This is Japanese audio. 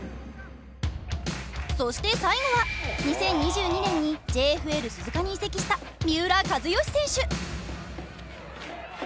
そして最後は２０２２年にＪＦＬ鈴鹿に移籍した三浦知良選手。